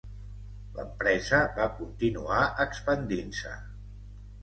L'empresa va continuar expandint-se.